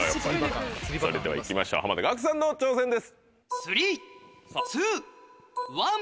それでは行きましょう濱田岳さんの挑戦です。